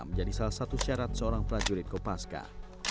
menjadi salah satu syarat seorang prajurit kopaska